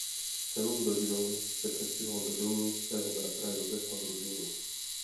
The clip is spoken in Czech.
S celou rodinou se přestěhoval do domu svého bratra Josefa v Ruzyni.